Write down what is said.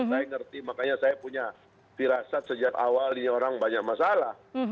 saya ngerti makanya saya punya firasat sejak awal ini orang banyak masalah